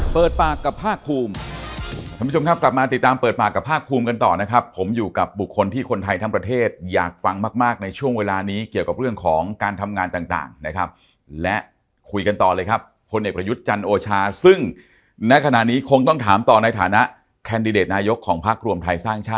เปิดปากกับภาคภูมิท่านผู้ชมครับกลับมาติดตามเปิดปากกับภาคภูมิกันต่อนะครับผมอยู่กับบุคคลที่คนไทยทั้งประเทศอยากฟังมากมากในช่วงเวลานี้เกี่ยวกับเรื่องของการทำงานต่างนะครับและคุยกันต่อเลยครับพลเอกประยุทธ์จันทร์โอชาซึ่งณขณะนี้คงต้องถามต่อในฐานะแคนดิเดตนายกของพักรวมไทยสร้างชาติ